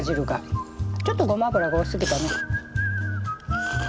ちょっとゴマ油が多すぎたね。